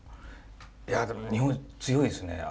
いやでも日本酒強いですね。